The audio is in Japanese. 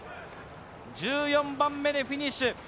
１４番目でフィニッシュ。